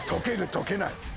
「とけない」。